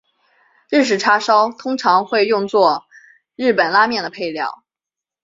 日式叉烧通常会用作日本拉面的配料。